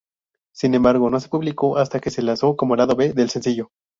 Sin embargo, no se publicó hasta que se lanzó como lado B del sencillo.